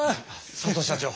佐藤社長！